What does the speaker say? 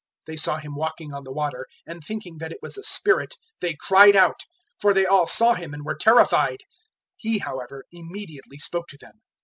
006:049 They saw Him walking on the water, and thinking that it was a spirit they cried out; 006:050 for they all saw Him and were terrified. He, however, immediately spoke to them.